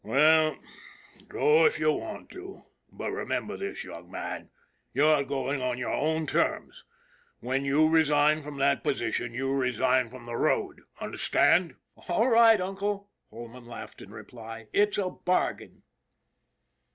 "Well, go if you want to, but remember this, young man, you're going on your own terms. When you resign from that posi tion, you resign from the road, understand !" RAFFERTY'S RULE 3 i " All right, uncle/' Holman laughed in reply. " It's a bargain."